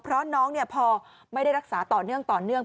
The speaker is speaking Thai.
เพราะน้องพอไม่ได้รักษาต่อเนื่อง